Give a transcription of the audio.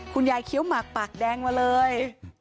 คุณยายเคี้ยวหมากปากแดงมาเลย